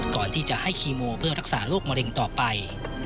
ก่อนที่จะให้คีโมเพื่อรักษาโรคมะเร็งต่อไป